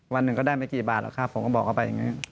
วันหนึ่งก็ได้ไม่กี่บาทหรอกครับผมก็บอกเขาไปอย่างนี้